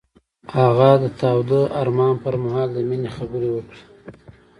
هغه د تاوده آرمان پر مهال د مینې خبرې وکړې.